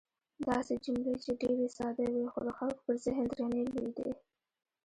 داسې جملې چې ډېرې ساده وې، خو د خلکو پر ذهن درنې لوېدې.